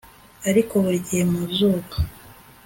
Ariko burigihe mu zuba